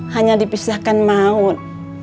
hanya dipisahkan maut